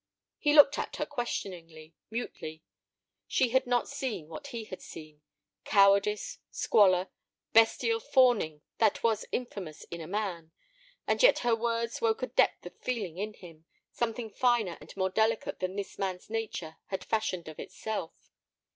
He looked at her questioningly, mutely. She had not seen what he had seen—cowardice, squalor, bestial fawning that was infamous in a man. And yet her words woke a depth of feeling in him, something finer and more delicate than his man's nature had fashioned of itself.